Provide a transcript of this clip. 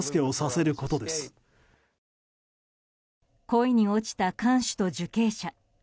恋に落ちた看守と受刑者。